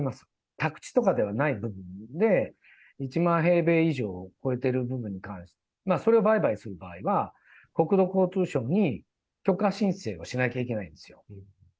宅地とかではない部分で、１万平米以上を超えてる部分に関して、それを売買する場合は、国土交通省に許可申請をしなきゃいけないんですよ。